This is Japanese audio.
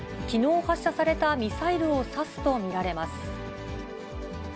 きのう発射されたミサイルを指すと見られます。